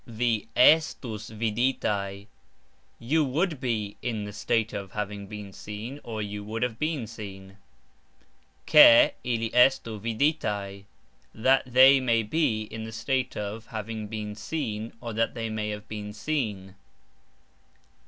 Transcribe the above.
Vi estus viditaj ............ You would be (in the state of) having been seen, or, you would have been seen. (Ke) ili estu viditaj ....... (That) they may be (in the state of) having been seen, or, that they may have been seen.